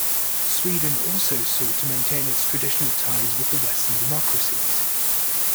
Sweden also sought to maintain its traditional ties with the Western democracies.